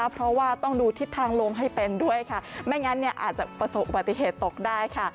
เพราะว่าต้องดูทิศทางลมให้เป็นด้วยค่ะไม่งั้นเนี่ยอาจจะประสบอุบัติเหตุตกได้ค่ะ